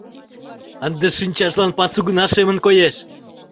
Ынде шинчажлан пасу гына шемын коеш.